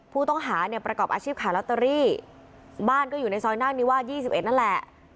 ผู้ต้องหาเนี่ยประกอบอาชีพขายลอตเตอรี่บ้านก็อยู่ในซอยนาคนิวาส๒๑นั่นแหละ